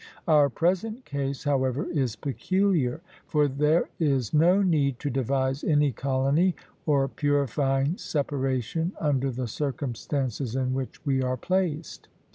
Our present case, however, is peculiar. For there is no need to devise any colony or purifying separation under the circumstances in which we are placed.